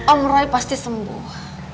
om roy pasti sembuh